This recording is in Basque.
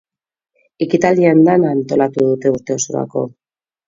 Ekitaldi andana antolatu dute urte osorako.